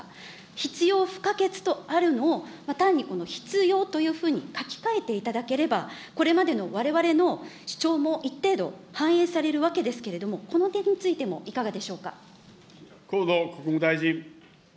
必要不可欠とあるのを、単にこの必要というふうに書き換えていただければ、これまでのわれわれの主張も一定度反映されるわけですけれども、この点についてもいかがでしょうか。